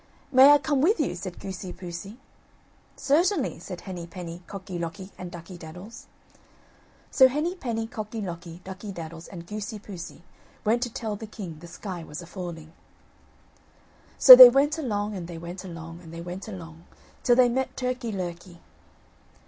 "May I come with you," said Goosey poosey. "Certainly," said Henny penny, Cocky locky and Ducky daddles. So Henny penny, Cocky locky, Ducky daddles and Goosey poosey went to tell the king the sky was a falling. So they went along, and they went along, and they went along, till they met Turkey lurkey.